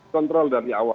kontrol dari awal